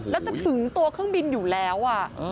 แล้วจะถึงตัวเครื่องบินอยู่แล้ว